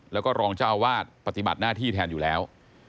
แล้วก็รองเจ้าอาวาสปฏิบัติหน้าที่แทนอยู่แล้ว